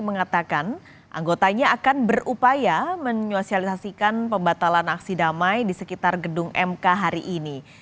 mengatakan anggotanya akan berupaya menyosialisasikan pembatalan aksi damai di sekitar gedung mk hari ini